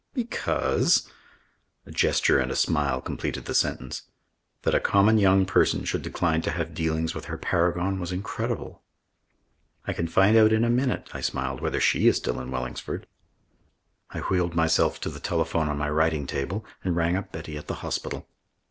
"Because " A gesture and a smile completed the sentence. That a common young person should decline to have dealings with her paragon was incredible. "I can find out in a minute," I smiled, "whether she is still in Wellingsford." I wheeled myself to the telephone on my writing table and rang up Betty at the hospital.